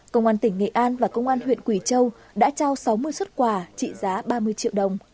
công an tỉnh nghệ an và công an huyện quỳ châu đã trao sáu mươi xuất quà trị giá ba mươi triệu đồng